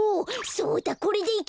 そうだこれでいける！